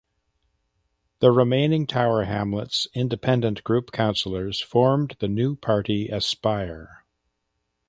The remaining Tower Hamlets Independent Group councillors formed the new party Aspire.